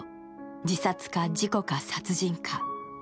自殺か、事故か、殺人か。